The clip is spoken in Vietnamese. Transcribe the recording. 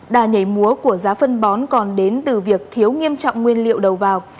đà nhảy múa của giá phân bón còn đến từ việc thiếu nghiêm trọng nguyên liệu đầu vào